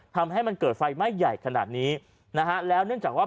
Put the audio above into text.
ทำให้มันเกิดไฟไหม้ใหญ่ขนาดนี้นะฮะแล้วเนื่องจากว่า